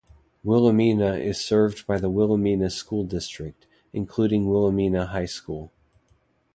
Willamina is served by the Willamina School District, including Willamina High School.